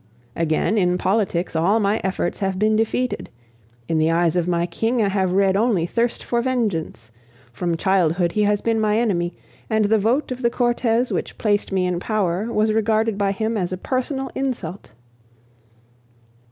Again, in politics all my efforts have been defeated. In the eyes of my king I have read only thirst for vengeance; from childhood he has been my enemy, and the vote of the Cortes which placed me in power was regarded by him as a personal insult.